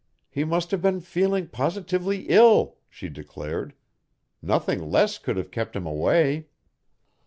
"He must have been feeling positively ill," she declared. "Nothing less could have kept him away."